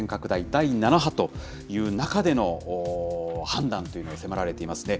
第７波という中での判断というのが迫られていますね。